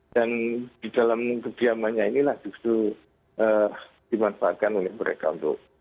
dan di dalam kediamannya ini lah justru dimanfaatkan oleh mereka untuk